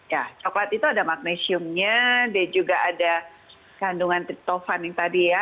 ya coklat itu ada magnesiumnya dan juga ada kandungan triptofan yang tadi ya